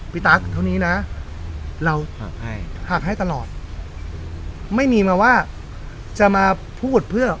ตั๊กเท่านี้นะเราหักให้หักให้ตลอดไม่มีมาว่าจะมาพูดเพื่อ